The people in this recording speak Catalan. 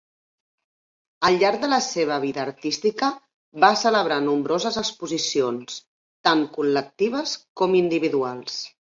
Al llarg de la seva vida artística, va celebrar nombroses exposicions, tant col·lectives com individuals.